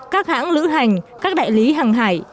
các hãng lữ hành các đại lý hàng hải